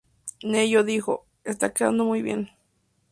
Ne-Yo dijo, "Está quedando muy bien.